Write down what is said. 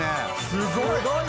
「すごい！」